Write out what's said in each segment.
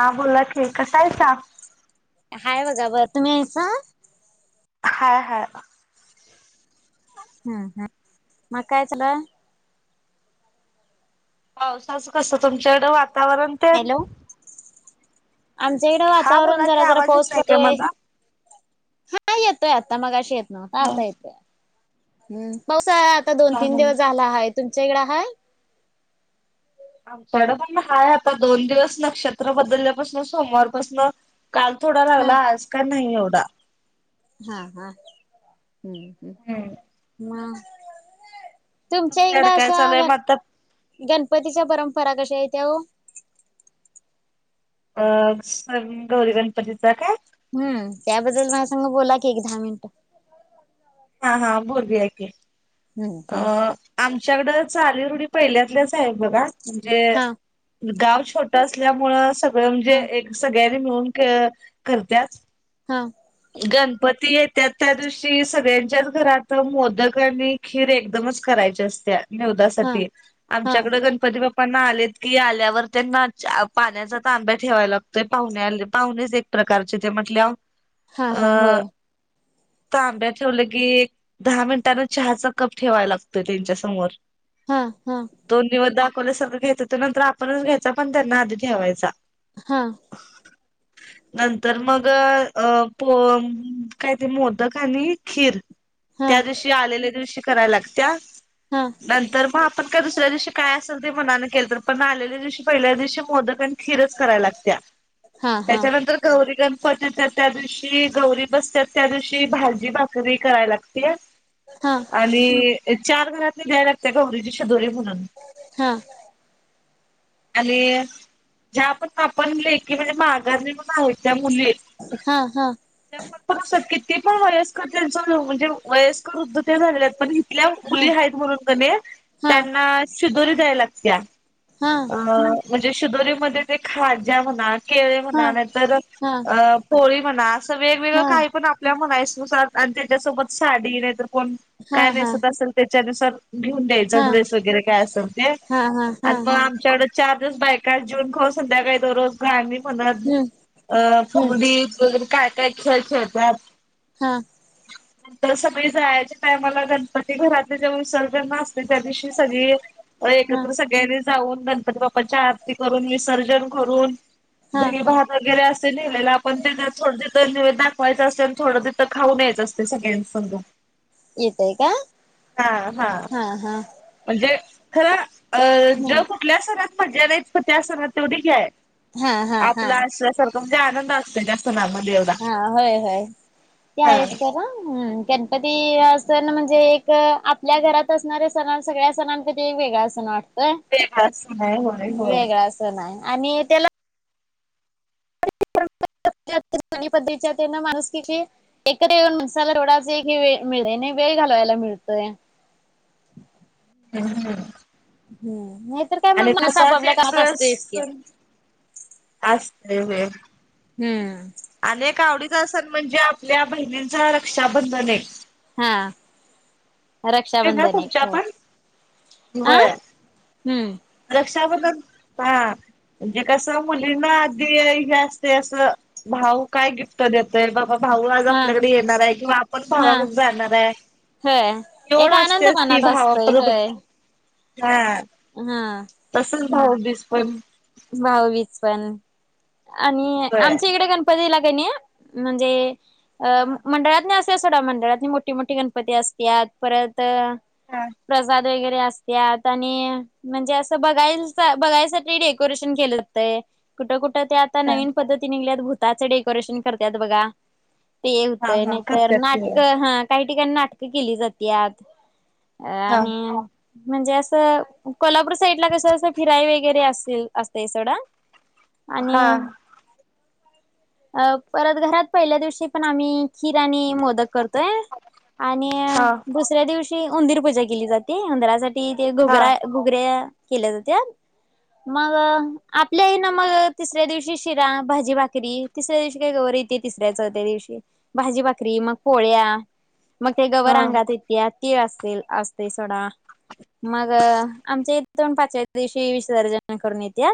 हा बोला की, कसा हाईसा? हाय बघा बर. तुम्ही हाइसा? हाय हाय. हम् हम. मग काय चालू हाय? पावसाच कसं तुमच्याकडं वातावरण तेन? हॅलो आमच्या इकडं हा वातावरण बोला की जरा जरा आवाज येत पाऊस नाही काय पडतोय. माझा? हा येतोय आता. मघाशी येत नव्हता. हा आता हा येतोय. चा आता दोन तीन हा. दिवस झाला आहे. तुमच्या इकडं हाय? आमच्याकडं पण हाय. आता दोन दिवस नक्षत्र बदलल्यापासून सोमवारपासन काल थोडा हा लागला. आज काय नाही एवढा. हा हा हम्म हम् ह मं. तुमच्या इकड तुमच्याकडं काय अशा चालू आहे गण मग आता? गणपतीच्या परंपरा कशा आहेत? त्याओ. अ गौरी गणपतीच काय हम्म त्याबद्दल म सांग बोला की एक दहा मिनिट हा हा बोरबी ऐके हम्म अ हम्म आमच्याकड चाली रूढी पहिल्यातच आहे बघा म्हणजे हा गाव छोट असल्यामुळे स म्हणजे हा एक सगळ्यांनी मिळून करतच हा गणपती येत्या त्या दिवशी सगळ्यांच्याच घरात मोदक आणि खीर एकदमच कराय याची आसत्या हा निवदासाठी हा आमच्याड गणपती बा् पण आलेत की आल्यावर त्यांना पाण्याचा तांब्या ठेवाय लागतोय पाहुणे पाहुणेच एक प्रकारचे ते म्हटल्या हा हा होय तांब्या ठेवलं की एक दहा मिनटांनें चहाचा कप ठेवायला लागतोय त्यांच्या समोर हा हा ले सगळं घेत तर नंतर आपणच घ्यायचा पण त्यांना आधी ठेवायचा हा नंतर मग अ प काय ते मोदक आणि खीर हा त्या दिवशी आलेल्या दिवशी कराय लागत हा नंतर मग आपण काय दुसऱ्या दिवशी काय असेल ते म के तर पण आल्या दिवशी पहिल्या दिवशी मोदक खीरच कराय लागत हा त्याच्यानंतर गौरी गणपच्या त्या गौरी बसत त्या दिवशी भाजी भाकरी कराय लागते हा आणि चार घरातली जा्याय लागत कारीच्याच्या दोरे ह हा आणि ज्या पण आपण ले की म्हणजे माघार त्या मुलीणात हा हा किती पण व म्ह म्हणजे वयस्क वृद्ध झा पण इथल्या हा मुली हाईत म्हणून कनी हा त्यांना शिदोरी द्यायला लागत हा अ म्हणजे शिदोरीमध्ये जे खाज ज्या म्हणा केळे हा म्हणा नतर हा अ पोळी म्हणा असं वेगवेगळं हा काही पण आपल्या म्हणायच आणि त्याच्यासोबत साडी नाही तरर कोण हा काय हा नेसत असेल त्याच्यानुसार घेऊन द्यायचा हा ड्रेस वगैरे काय असेल ते हा हा हा आणि मग आमच्याकड चार बायका जिन खाऊ संध्याकाळी दोरोज घ् मनात हम्म अ हम्म कबडी वैरे काय काय खेळ खेळतात हा नंतर सगळे जायच्या टायमाला गणपती घरात जाऊनचल त्या दिव सगळी हा एकत्र सगळ्यांनी ऊन गणप बा्च्या आरती करून विसर्जन करून हा दही भात वगैरे असे नेलेला आपण त्या थोड दाखवायचं असते आणि थोडं तथं खाऊन यायचं असते सगळ्यांसम येतय का हा हा म्हणजे खर अ ज ह कुठल्या सणात मजा नाहीच प त्या सणात तेवढी घ्याय हा हा हा म्हणजे आनंद असते जास्त हा होय होय ते हा आहेच तरम् गणपती अस ना म्हणजे एक आपल्या घरात असणार्या सण सगळ्या सणां कधी वेगळा सण वाटत काय वेगळा सण आहे होय होय वेगळ असं नाही आणि त्याला पद्धती माणूस क एकत्र येऊनणसाला रोडा मि वेळ घालवायला मिळतय हम् हम् नाहीतर काय मग मला सप आपल्या एक कामात असतच की सण असतय हो हम्म. म्हणजे आपल्या बहिणीचा रक्षाबंधन आहे. हा. रक्षा आहे ना बंधन एक तुमच्या पण अं होय हम्म. हा. म्हणजे कस मुलींना आधी हे असते असं भाऊ काय गिफ्ट देत. तर बाबा भाऊ आज हा आपल्याकडे येणार आहे किंवा आपण हा भावाकडे जाणार आहे. होय एक ओढ आनंद असतेस की मनात असतोय भावाकडे होय आह. हा. भाऊबीज पण भाऊबीज पण आणि होय आमच्या इकडे गणपती ला. त्यांनी म्हणजे हा मंडळात असत. ते सोडा मंडळात मोठी मोठी गणपती असत परत हा प्रसाद वरे असत आणि म्हणजे अस बघाय बघाय. डेकोरेशन केलं जातंय कुठं कुठं ते आता नवीन पद्धती निघल्यात. डेकोरेशन करत बघा ते हा होतंय हा नाहीतर करत्यात ती नाटक ह काही ठिकाणी नाटकं केली जात अ हा आणि म्हणजे असं कोल्हापूर साईड ला कसे असे फिराई वगैरे असल असते सोडा. आणि हा अ परत घरात पहिल्या दिवशी पण आम्ही खीर आणि मोदक करतोय आणि हा दुसऱ्या दिवशी उंदीर पूजा केली जाते उंदरासाठी ते हा घोगरा घोगर्या केल्या जात. मग आपल्याही ना मग तिसऱ्या दिवशी शिरा भाजी भाकरी तिसऱ्या दिवशी काही गवर येते. तिसऱ्या चौथ्या दिवशी भाजी भाकरी मग पोळ्या मग ते हा गवरांंगात येते ती. अस सोडा मग आमच्या इथे पाचव्या दिवशी विसर्जन करून येते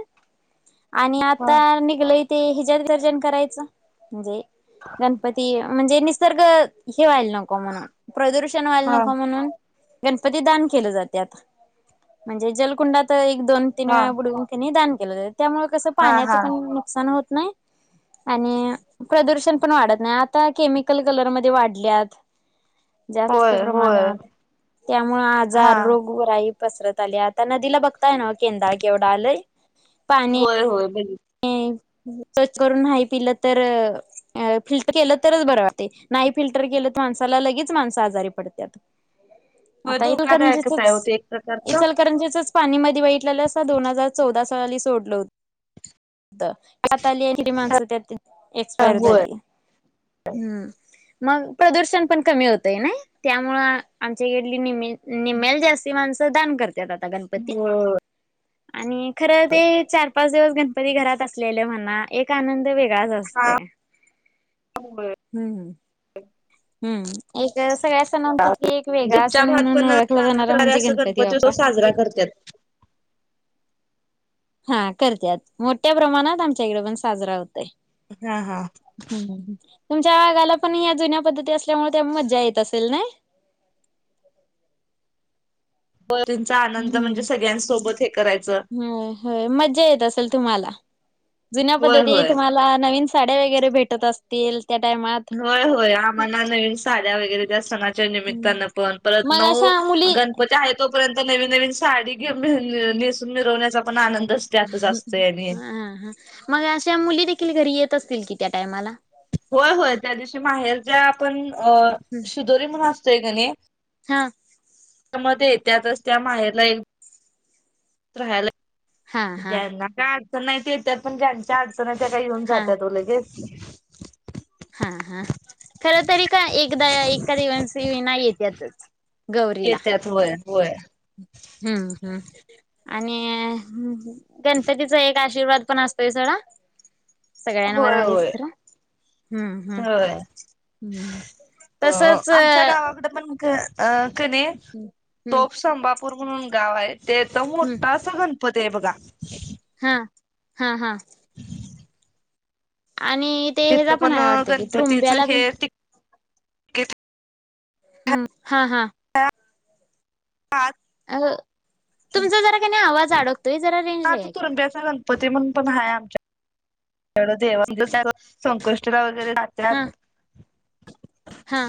आणि हा आता निघलो. ते विसर्जन करायचं म्हणजे गणपती म्हणजे निसर्ग हे व्हायला नको म्हणून प्रदूषण व्हायला हा नको म्हणून गणपती दान केलं जातेता म्हणजे जलकुंडात एक दोन तीन हा वेळा नी दान केलं जात त्यामुळे कसं हा पाण्याच हा पण नुकसान होत नाही. आणि प्रदूषण पण वाढत नाही आता केमिकल कलरमध्ये वाढल्यात. जास्त होय होय प्रमाणात त्यामुळे हा आजार रोग राई. पसरत आली आता नदीला बघताय ना केंदा केवढा आलय. होय होय बगतले. सच करून नाही पिलं तर फिल्टर केलं तरच बर वाटते नाही. नाही फिल्टर केलं तर माणसाला लगेच माणस आजारी पडतात. आता येईल इचलकरंजी धोकादायकच आहे हो ते एक प्रकारचा इचलकरंजी चे पाणीमध्ये वाईटला अस दोन हजार चौदा साली सोडलं होत. सात आली ती माणसं एक्सपायर होय झाली. मग प्रदूषण पण कमी होतय ना त्यामुळे आमच्या कडली निमी निमेल जास्ती माणसं दान करतात आता गणपती होय आणि खरं ते चार पाच दिवस गणपती घरात असलेले म्हणा एक आनंद वेगळा. होय [unintelligible] सगळ्या सणांपैकी एक वेगळा तुमच्या सण भागात म्हणून पण ओळखला चांगल्या जाणारा प्रकारे म्हणजे असं गणपती उत्सव बाप्पा. [unintelligible] साजरा करतात हा करतत मोठ्या प्रमाणात आमच्याकडे पण साजरा होतोय. हा हा. हम्म तुमच्या भागाला पण या जुन्या पद्धती असल्यामुळे त्या मज्जा येत असेल ना. [unintelligible] त्यांचा आनंद म्हणजे हम्म सगळ्यांसोबत हे करायचं हम हो मज्जा येत असेल तुम्हाला जुन्या होय पद्धती होय तुम्हाला नवीन साड्या वगैरे भेटत असतील त्या टायमात. होय होय आम्हाला नवीन साड्या वगैरे त्या सणाच्या निमित्तानं पण परत मग नऊ अशा मुली गणपती आहे तोपर्यंत नवीन नवीन साडी घे नेसून मिरवण्याचा पण आनंद ह हा हा मग अशा मुली देखील घरी येत असतील कि त्या टायमाला होय होय त्या दिवशी माहेर ज्या आपण अ शिदोरी म्हणून असतोय गणे हा मध्ये त्यातच त्या माहेर ला येल हा राहाला हा ज्यांना काय अडचण नाहीती तर पण च आठ जणच्या काय येऊन हा. जातात लगेच हा हा खर तरी का एकदा एका दिवस नाही येत यातच येत्यात होय होय हम्म हम् आणि गणपतीचा एक आशीर्वाद पण असतोय सडा सगळ्यांवर होय आहेच होय खरं हम्म हम् होय हम् अ तसच आमच्या गावाकडे पण अ कने तोप संभपूर म्हणून गाव आहे ते तर हम्म मोठा अस गणपत आहे बघा हा हा हा आणि ते ह्याचा तिथं पण आहे वाटतं की गणपतीच त्रुंब्याला हे बी हम्म हा हा आ हता रेंजला या की तुरंबीचा गणपती म्हणून पण आहे आम वढ देवा म्ह त्या संकष्टला वगैे नात्या हा हा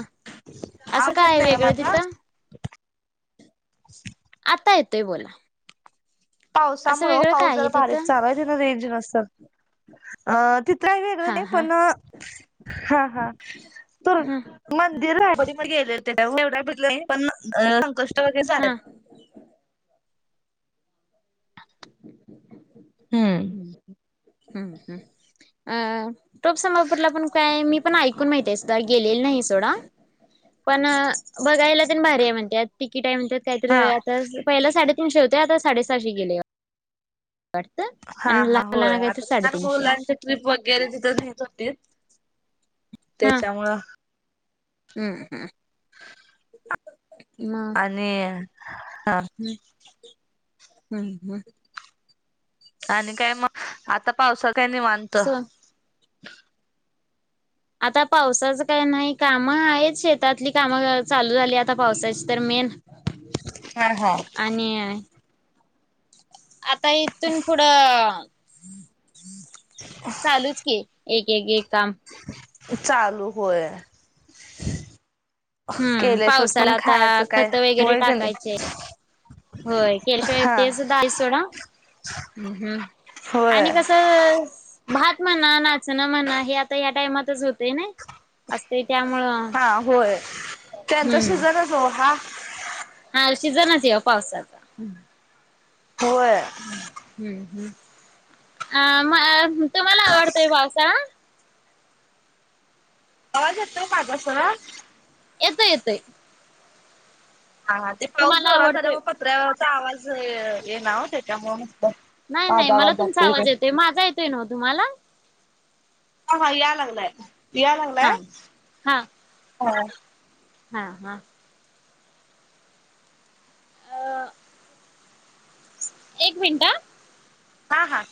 असं काय आहे नाही का वेगळं माझा तिथं अस आता येतोय बोला असं पावसामु वेगळं पाऊस काय जरा आहे बारीक तिथं चालाय तिन रेंज नसतल हा अि हा पण हा हा तर हा मंदिर राली मग गेले एवढ पण संक वगैरे झा हा ह् हम्म. ह् ह अ टोपसमापूरला पण काय मी ण ऐ मा गे नाही सो पण बघा भारी आहे म्हणतात तिकीट आहे म्हणतात काय तर हा आता पहिला साडेतीीनशे होते आता साडेसहाशे गेले वाटत हा आणि हा लहान होय मुलांना काहीतरी आता लहान साडेतीनशे आहे. मुलांची ट्रिप वगैरे तिथे घेत होती हा त्याच्यामुळं हम्म हम्म म आणि हा हम् हम् हम आणि काय मग आता पावसा काही नाहीवनत सो आता पावसाचं काय नाही कामं आहेत शेतातली कामं चालू झाली आता पावसाची तर मेन हा हा. आणि आता इथून पुढं चालूच की एक एक एक काम चालू होय हम्म केल्याशिवाय पावसाला पण आता खायचं काय खत वगैरे होय का नाही. टाकायचे होय केल्शि हा ते सुद्धा आहेसो ना ह् हम् होय आणि कसं भात म्हणा नाचणं म्हणा हे आता या टायमातच होते ना असते त्यामुळं हा होय त्यांचा हम्म शिजण जो हा सिझनच यो पावसाचा. होय हम्म हम्म हम्म. अ म तुम्हाला आवडतोय पावसा आवाज येतो माझा सरळ. येतोय येतोय. हा ते पाऊस तुम्हाला जोरात झाल्या आवडतोय. म पत्र्यावरचा आवाज येतोय ना! हो त्याच्यामुळ. नाही नाही, मला तुमचा आवाज येतोय माझा येतोय नहवं तुम्हाला. हा हा या लागलाय या लागलाय हा. हा हा! हा हा अह! एक मिनटा, हा हा!